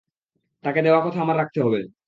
তাকে দেওয়া কথা আমার রাখতে হবে।